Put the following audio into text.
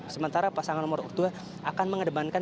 sementara pasangan nomor dua akan mengedepankan